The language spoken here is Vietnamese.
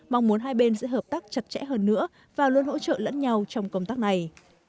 mong muốn hai bên sẽ hợp tác chặt chẽ hơn nữa và luôn hỗ trợ lẫn nhau trong công tác này